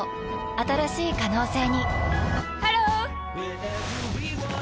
新しい可能性にハロー！